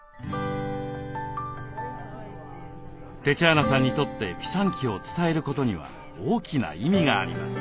テチャーナさんにとってピサンキを伝えることには大きな意味があります。